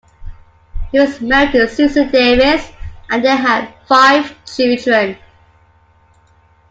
He was married to Susan Davis, and they had five children.